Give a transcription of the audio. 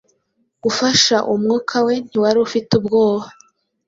Gufasha umwuka we ntiwari ufite ubwoba